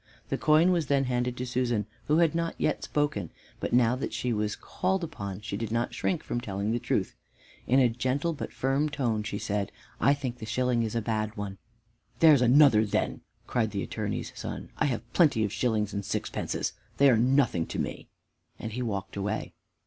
The coin was then handed to Susan, who had not yet spoken, but now that she was called upon she did not shrink from telling the truth. In a gentle but firm tone she said, "I think the shilling is a bad one." "There's another then," cried the Attorney's son; "I have plenty of shillings and sixpences. They are nothing to me." And he walked away.